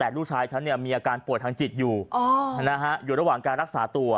แต่ลูกชายฉันเนี้ยมีอาการปวดทางจิตอยู่อ๋อนะฮะอยู่ระหว่างการรักษาตัว